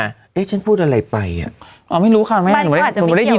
อ๊ะฉันพูดอะไรไป